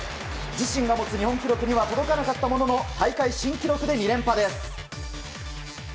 自身が持つ日本記録には届かなかったものの大会新記録で２連覇です。